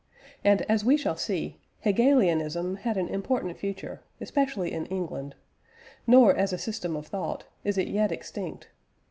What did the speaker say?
And, as we shall see, Hegelianism had an important future, especially in England; nor, as a system of thought, is it yet extinct.